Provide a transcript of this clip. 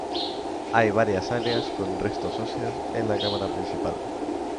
Hay varias áreas con restos óseos en la cámara principal.